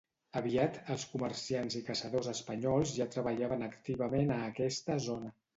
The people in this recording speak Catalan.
Aviat, els comerciants i caçadors espanyols ja treballaven activament a aquesta zona.